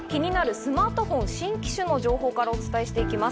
スマートフォン新機種の情報からお伝えしていきます。